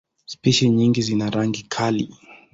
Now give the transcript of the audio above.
Spishi nyingi zina rangi kali.